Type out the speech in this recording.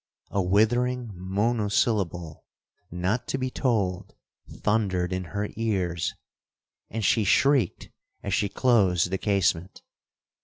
A withering monosyllable, not to be told, thundered in her ears,—and she shrieked as she closed the casement.